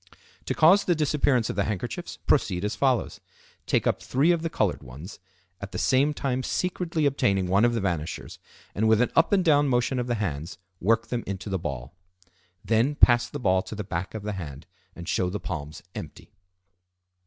To cause the disappearance of the handkerchiefs, proceed as follows: Take up three of the colored ones, at the same time secretly obtaining one of the vanishers, and, with an up and down motion of the hands, work them into the ball. Then pass the ball to the back of the hand and show the palms empty.